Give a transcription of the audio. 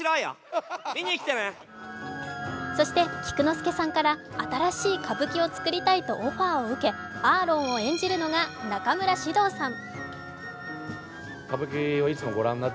そして菊之助さんから新しい歌舞伎を作りたいとオファーを受けアーロンを演じるのが中村獅童さん。